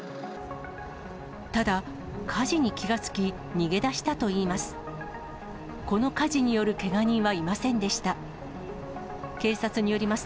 ただ、火事に気が付き、逃げ出したといいます。